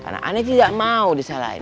saya tidak mau disalahkan